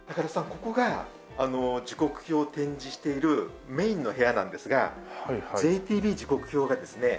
ここが時刻表を展示しているメインの部屋なんですが『ＪＴＢ時刻表』がですね